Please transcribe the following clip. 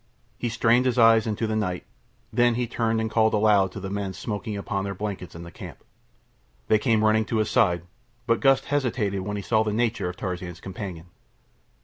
He strained his eyes into the night. Then he turned and called aloud to the men smoking upon their blankets in the camp. They came running to his side; but Gust hesitated when he saw the nature of Tarzan's companion.